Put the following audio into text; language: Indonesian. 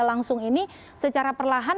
langsung ini secara perlahan